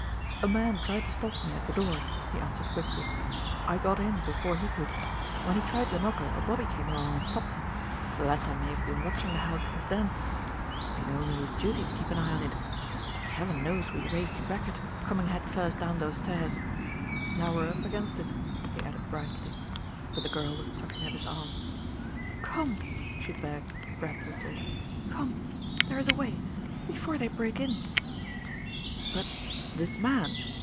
"A man tried to stop me at the door," he answered quickly. "I got in before he could. When he tried the knocker, a bobby came along and stopped him. The latter may have been watching the house since then, it'd be only his duty to keep an eye on it; and Heaven knows we raised a racket, coming head first down those stairs! Now we are up against it," he added brightly. But the girl was tugging at his hand. "Come!" she begged breathlessly. "Come! There is a way! Before they break in " "But this man